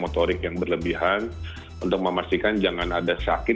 motorik yang berlebihan untuk memastikan jangan ada sakit